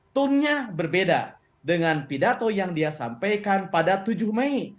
tone nya berbeda dengan pidato yang dia sampaikan pada tujuh mei